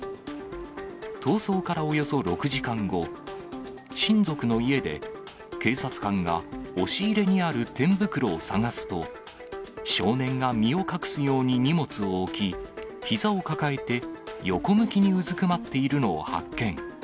逃走からおよそ６時間後、親族の家で警察官が押し入れにある天袋を捜すと、少年が身を隠すように荷物を置き、ひざを抱えて、横向きにうずくまっているのを発見。